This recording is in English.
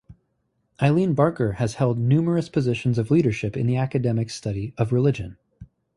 Eileen Barker has held numerous positions of leadership in the academic study of religion.